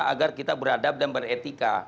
agar kita beradab dan beretika